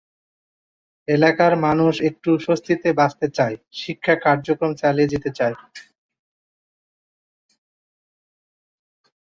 এখানকার মানুষ একটু স্বস্তিতে বাঁচতে চায়, শিক্ষা কার্যক্রম চালিয়ে যেতে চায়।